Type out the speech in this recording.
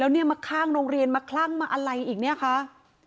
แล้วเนี่ยมาข้างโรงเรียนมาคลั่งมาอะไรอีกเนี่ยคะ